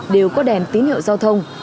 đều có đèn tín hiệu giao thông